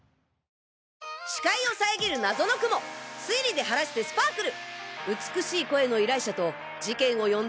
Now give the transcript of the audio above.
視界を遮る謎の雲推理で晴らしてスパークル！